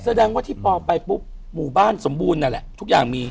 แสดงว่าที่พอไปปุ๊บหมู่บ้านสมบูรณ์นั่นแหละทุกอย่างมี